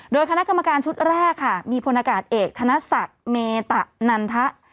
โดยคณะกรรมการชุดแรกค่ะมีพลอากาศเอกธนศักดิ์เมตะนันทะ